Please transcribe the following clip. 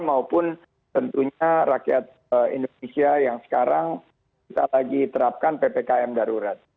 maupun tentunya rakyat indonesia yang sekarang kita lagi terapkan ppkm darurat